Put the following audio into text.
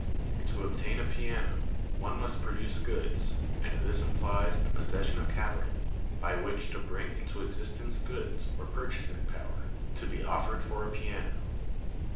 To obtain a piano, one must produce goods, and this implies the possession of capital, by which to bring into existence goods, or purchasing power, to be offered for a piano.